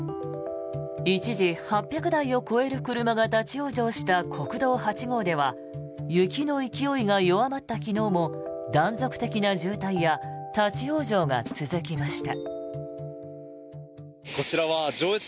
一時、８００台を超える車が立ち往生した国道８号では雪の勢いが弱まった昨日も断続的な渋滞や立ち往生が続きました。